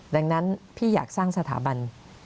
ดังนั้นพี่อยากสร้างสถาบัน